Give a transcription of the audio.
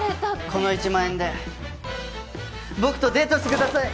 この１万円で僕とデートしてください！